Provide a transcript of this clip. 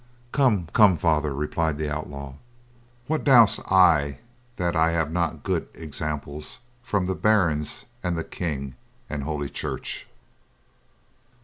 "Come, come, Father," replied the outlaw, "what do I that I have not good example for from the barons, and the King, and Holy Church.